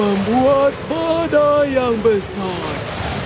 dan membuat pada yang besar